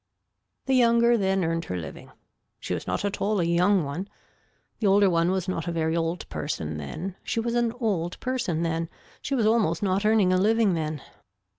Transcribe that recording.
The younger then earned her living. She was not at all a young one. The older one was not a very old person then, she was an old person then, she was almost not earning a living then.